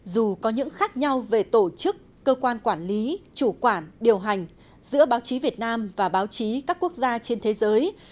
dù có những khác nhau về tổ chức cơ quan quản lý chủ quản điều hành giữa báo chí việt nam và báo chí các quốc gia trên thế giới